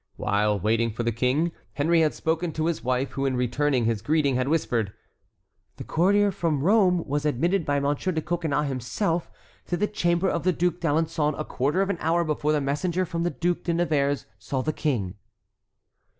While waiting for the King, Henry had spoken to his wife, who in returning his greeting had whispered, "The courier from Rome was admitted by Monsieur de Coconnas himself to the chamber of the Duc d'Alençon a quarter of an hour before the messenger from the Duc de Nevers saw the King."